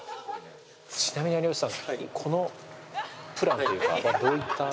ちなみに有吉さんこのプランというかはどういった？